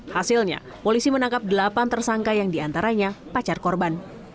hasilnya polisi menangkap delapan tersangka yang diantaranya pacar korban